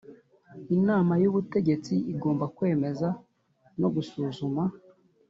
Inama y ubutegetsi igomba kwemeza no gusuzuma